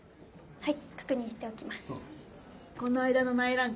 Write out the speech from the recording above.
はい。